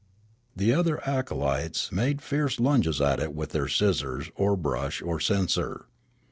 The other acolytes made fierce lunges at it with their scissors, or brush, or censer.